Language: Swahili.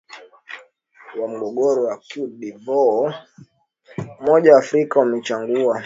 wa mgogoro wa cote de voire umoja wa afrika umemchagua